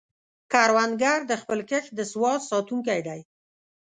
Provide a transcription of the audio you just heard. کروندګر د خپل کښت د سواد ساتونکی دی